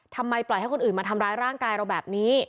ทำไมปล่อยให้คนอื่นมาทำร้ายร่างกายเราแบบนี้